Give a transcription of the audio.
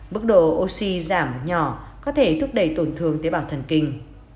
mức độ oxy giảm nhỏ có thể thúc đẩy tổn thương tế bào thần kinh